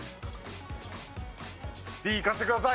Ｄいかせてください。